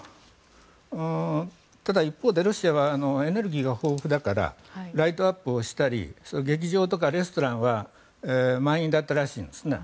ただ一方でロシアはエネルギーが豊富だからライトアップをしたり劇場とかレストランは満員だったらしいんですね。